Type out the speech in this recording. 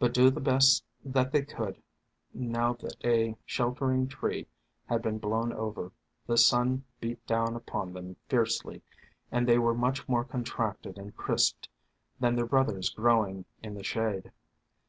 But do the best that they could, now that a sheltering tree had been blown over, the sun beat down upon them fiercely and they were much more contracted and crisped than their brothers growing in the shade.